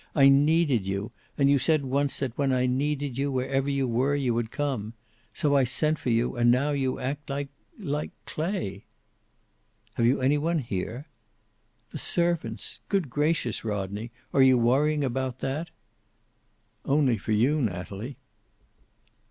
I needed you, and you said once that when I needed you, wherever you were, you would come. So I sent for you, and now you act like like Clay." "Have you any one here?" "The servants. Good gracious, Rodney, are you worrying about that?" "Only for you, Natalie."